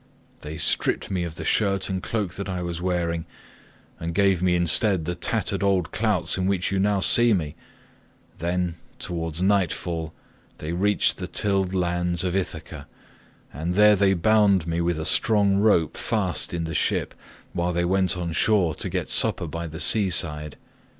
They stripped me of the shirt and cloak that I was wearing, and gave me instead the tattered old clouts in which you now see me; then, towards nightfall, they reached the tilled lands of Ithaca, and there they bound me with a strong rope fast in the ship, while they went on shore to get supper by the sea side.